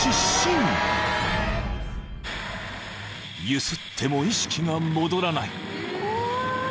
［揺すっても意識が戻らない］